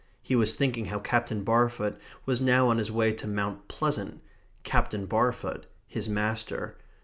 He was thinking how Captain Barfoot was now on his way to Mount Pleasant; Captain Barfoot, his master.